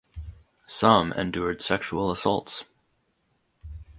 Some endured sexual assaults.